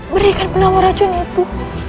berikan penawar racun itu